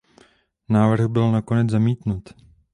Návrh byl nakonec zamítnut.